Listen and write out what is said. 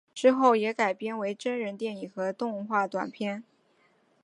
之后也改编为真人电影和动画短片。